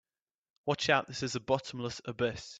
Watch out, this is a bottomless abyss!